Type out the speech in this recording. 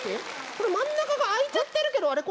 これまんなかがあいちゃってるけどあれ？